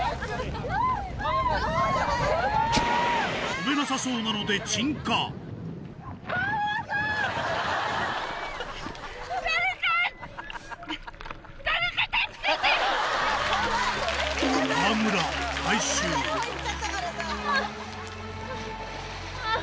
飛べなさそうなのではぁ。